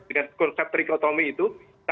dengan konsep trichotomy itu